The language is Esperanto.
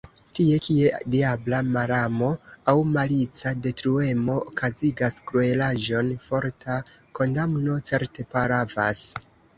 Tie, kie diabla malamo aŭ malica detruemo okazigas kruelaĵojn, forta kondamno certe pravas.